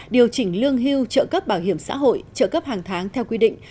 điều chỉnh lương hưu trợ cấp bảo hiểm xã hội trợ cấp hàng tháng theo quy định